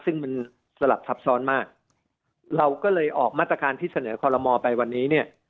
ซึ่งมันสลับซับซ้อนมากเราก็เลยออกมาตรการที่เสนอคอลโลมอลไปวันนี้เนี่ย